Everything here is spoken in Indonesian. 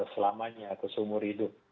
selamanya atau seumur hidup